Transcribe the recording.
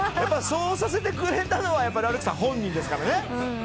そうさせてくれたのはラルクさん本人ですからね。